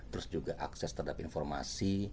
terus juga akses terhadap informasi